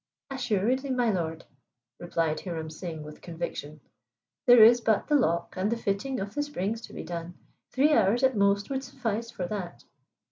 "Assuredly, my lord," replied Hiram Singh, with conviction. "There is but the lock and the fitting of the springs to be done. Three hours at most would suffice for that."